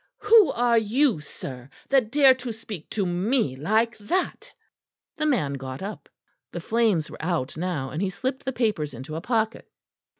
"Who are you, sir, that dare to speak to me like that?" The man got up; the flames were out now, and he slipped the papers into a pocket.